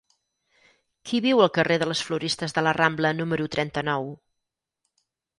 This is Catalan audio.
Qui viu al carrer de les Floristes de la Rambla número trenta-nou?